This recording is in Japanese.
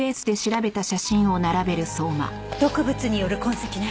毒物による痕跡ね。